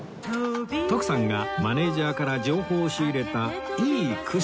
徳さんがマネジャーから情報を仕入れたいいクッション